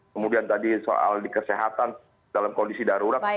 kemudian tadi soal di kesehatan dalam kondisi darurat